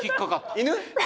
犬？